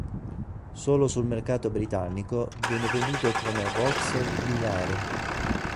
Solo sul mercato britannico viene venduto come Vauxhall Vivaro.